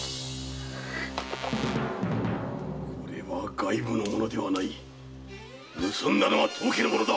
外部の者ではない盗んだのは当家の者だ！